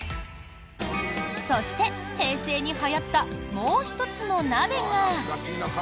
そして、平成にはやったもう１つの鍋が。